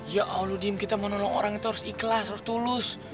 ya allah dim kita mau nolong orang itu harus ikhlas harus tulus